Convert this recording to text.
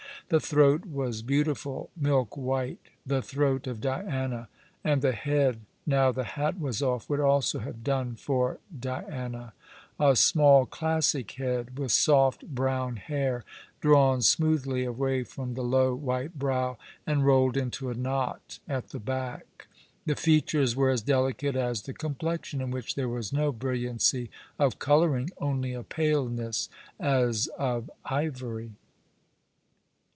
The throat was beautiful, milk white, the throat of Diana, and the head, now the hat was off, would also have done for Liana ; a small classic head, with soft, brown hair drawn smoothly away from the low, white brow and rolled into a knot at the back. The features were as delicate as the complexion, in which there was no brilliancy of colouring, only a paleness as of ivory.